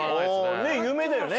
ねえ有名だよね。